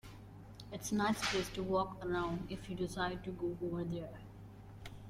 It's a nice place to walk around if you decide to go over there.